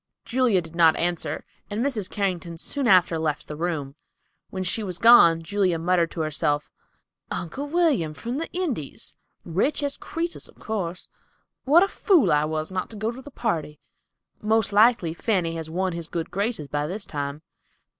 Julia did not answer, and Mrs. Carrington soon after left the room. When she was gone, Julia muttered to herself, "Uncle William, from the Indies; rich as Crœsus, of course. What a fool I was not to go to the party. Most likely Fanny has won his good graces by this time.